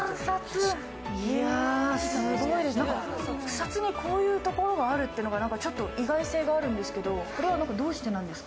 草津にこういうところがあるというのがちょっと意外性があるんですけど、これはどうしてなんですか？